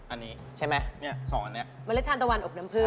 อันแรกมะเล็ดทานตะวัน